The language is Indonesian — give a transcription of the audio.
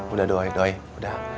udah doi doi udah